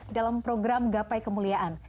dalam program gapai kemuliaan